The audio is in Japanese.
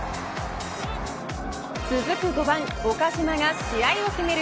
続く５番、岡島が試合を決める